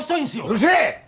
うるせえ！